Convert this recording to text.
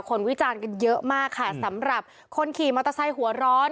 วิจารณ์กันเยอะมากค่ะสำหรับคนขี่มอเตอร์ไซค์หัวร้อน